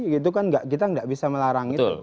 kita tidak bisa melarang itu